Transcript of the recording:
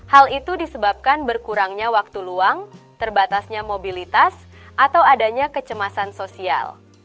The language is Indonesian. hal itu disebabkan berkurangnya waktu luang terbatasnya mobilitas atau adanya kecemasan sosial